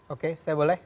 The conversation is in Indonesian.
oke saya boleh